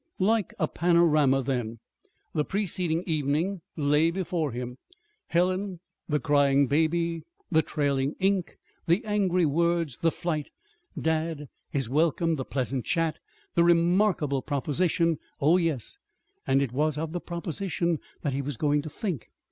Like a panorama, then, the preceding evening lay before him: Helen, the crying baby, the trailing ink, the angry words, the flight, dad, his welcome, the pleasant chat, the remarkable proposition. Oh, yes! And it was of the proposition that he was going to think.